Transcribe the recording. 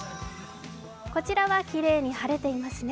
こちらはきれいに晴れていますね。